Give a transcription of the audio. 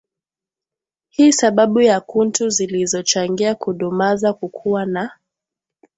hii Sababu kuntu zilizochangia kudumaza kukua na